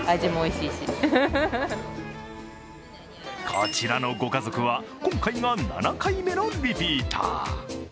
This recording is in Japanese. こちらのご家族は今回が７回目のリピーター。